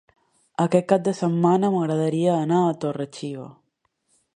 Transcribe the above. Aquest cap de setmana m'agradaria anar a Torre-xiva.